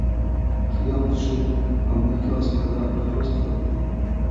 خىيال قۇشۇم ئامېرىكا ئاسمىنىدا پەرۋاز قىلاتتى.